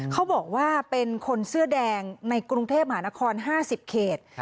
เขาบอกว่าเป็นคนเสื้อแดงในกรุงเทพมหานคร๕๐เขต